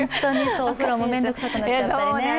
お風呂もめんどくさくなっちゃったりね。